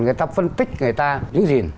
người ta phân tích người ta giữ gìn